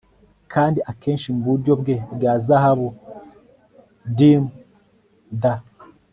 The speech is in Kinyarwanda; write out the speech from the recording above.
kandi akenshi muburyo bwe bwa zahabu dimm'd